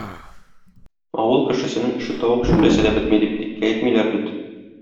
Авыл кешесенең эше тавык чүпләсә дә бетми, дип тиккә әйтмиләр бит.